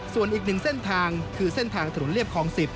ส่วนอีกหนึ่งเส้นทางคือเส้นทางถนนเรียบคลอง๑๐